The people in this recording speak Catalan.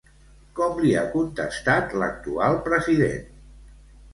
Com li ha contestat l'actual president?